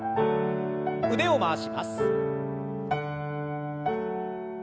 腕を回します。